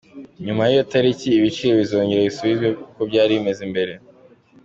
Nyuma y’iyo tariki, ibiciro bizongera bisubizwe uko byari bimeze mbere.